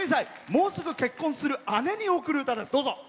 もうすぐ結婚する姉に贈る歌です。